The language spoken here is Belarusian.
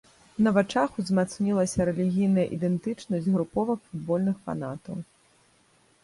На вачах узмацнілася рэлігійная ідэнтычнасць груповак футбольных фанатаў.